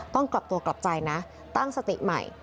กลับตัวกลับใจนะตั้งสติใหม่